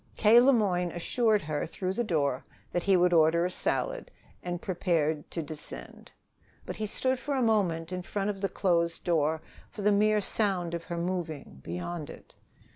K. Le Moyne assured her through the door that he would order a salad, and prepared to descend. But he stood for a moment in front of the closed door, for the mere sound of her moving, beyond it.